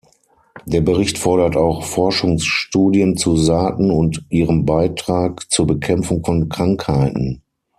Der Bericht fordert auch Forschungsstudien zu Saaten und ihrem Beitrag zur Bekämpfung von Krankheiten.